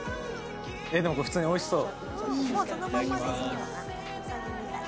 でも、これ普通においしそう。